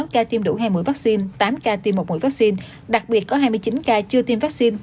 một mươi sáu ca tiêm đủ hai mũi vaccine tám ca tiêm một mũi vaccine đặc biệt có hai mươi chín ca chưa tiêm vaccine